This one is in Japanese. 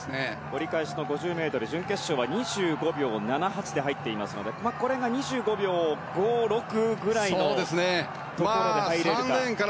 折り返しの５０ｍ準決勝は２５秒７８で入っていますのでこれが２５秒５６くらいのところで入れるか。